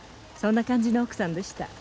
そんな感じの奥さんでした。